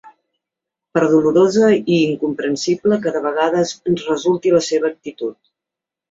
Per dolorosa i incomprensible que de vegades ens resulti la seva actitud.